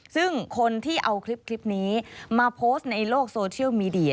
ซึ่งคนที่เอาคลิปนี้มาโพสต์ในโลกโซเชียลมีเดีย